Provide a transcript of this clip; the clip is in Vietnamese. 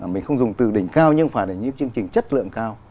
mình không dùng từ đỉnh cao nhưng phải để những chương trình chất lượng cao